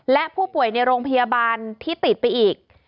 และผู้ป่วยในโรงพยาบาลที่ติดไปอีก